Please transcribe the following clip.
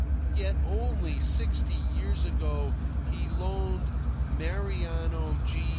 Yet only sixty years ago he loaned Mariano G.